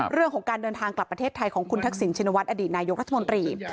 เรื่องของการเดินทางกลับประเทศไทยของคุณทักษิณชินวัฒนอดีตนายกรัฐมนตรี